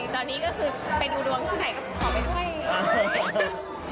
ตอนนี้ก็คือไปดูดวงที่ไหนก็ขอไปช่วย